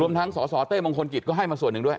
ทั้งสสเต้มงคลกิจก็ให้มาส่วนหนึ่งด้วย